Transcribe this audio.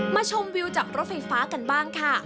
ชมวิวจากรถไฟฟ้ากันบ้างค่ะ